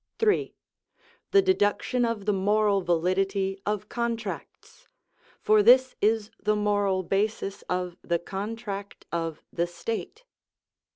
3. The deduction of the moral validity of contracts; for this is the moral basis of the contract of the state.